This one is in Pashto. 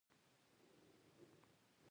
غوږونه له قران تلاوت نه ژاړي